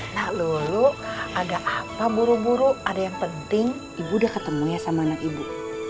nggak lu lu ada apa buru buru ada yang pentingibu udah ketemu ya sama anak ibu